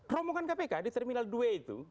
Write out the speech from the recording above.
rombongan kpk di terminal dua itu